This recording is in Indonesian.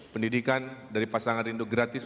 pendidikan dari pasangan rindu gratis untuk kembali ke negara